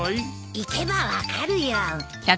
行けば分かるよ。